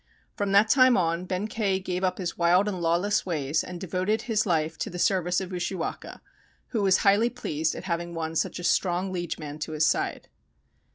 From that time on, Benkei gave up his wild and lawless ways and devoted his life to the service of Ushiwaka, who was highly pleased at having won such a strong liegeman to his side.